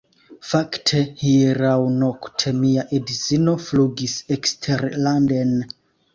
Fakte, hieraŭnokte mia edzino flugis eksterlanden